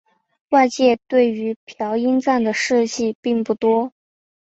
外界对于朴英赞的事迹不多。